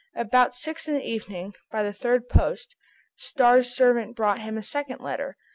About six in the evening, by the third post, Starr's servant brought him a second letter.